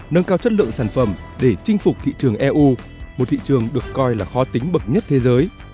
nâng cao chất lượng sản phẩm để chinh phục thị trường eu một thị trường được coi là khó tính bậc nhất thế giới